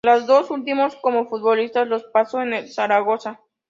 Los dos últimos como futbolista los pasó en el Zaragoza.